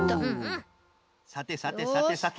さてさてさてさて。